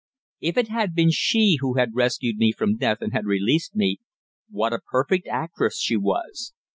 If it had been she who had rescued me from death and had released me, what a perfect actress she was.